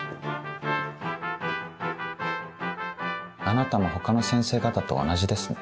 あなたも他の先生方と同じですね。